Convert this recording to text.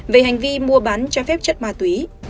về hành vi mua bán trái phép chất ma túy